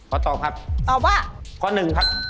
ขอตอบครับตอบว่าข้อหนึ่งครับ